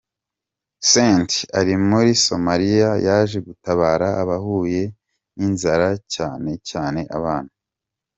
Cent ari muri Somaliya, yaje gutabara abahuye n'inzara cyane cyane abana.